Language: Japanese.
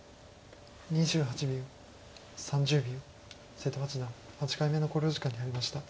瀬戸八段８回目の考慮時間に入りました。